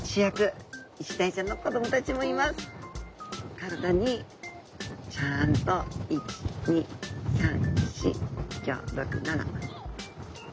体にちゃんと１２３４５６７。